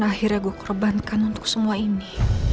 akhirnya gue korbankan untuk semua ini